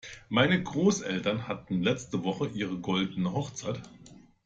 Meine Großeltern hatten letzte Woche ihre goldene Hochzeit.